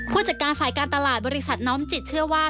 ผู้จัดการฝ่ายการตลาดบริษัทน้อมจิตเชื่อว่า